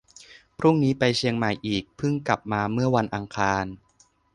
พรุ่งนี้ไปเชียงใหม่อีก เพิ่งกลับมาเมื่อวันอังคาร